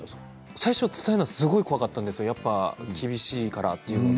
最初伝えるのはすごく怖かったんです厳しいからというので。